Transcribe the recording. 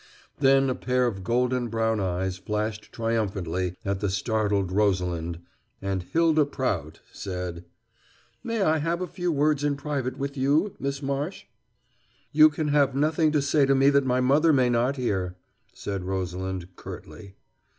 Then a pair of golden brown eyes flashed triumphantly at the startled Rosalind, and Hylda Prout said: "May I have a few words in private with you, Miss Marsh?" "You can have nothing to say to me that my mother may not hear," said Rosalind curtly.